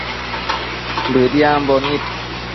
Bëdiambo nid